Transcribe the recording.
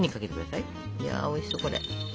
いやおいしそうこれ。